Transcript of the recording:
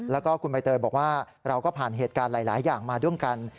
แล้วก็คุณใบเตยบอกว่าเราก็ผ่านเหตุการณ์หลายอย่างมาร่วมกัน